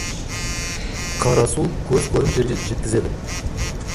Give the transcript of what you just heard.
Қара су көз көрім жерге жеткізеді.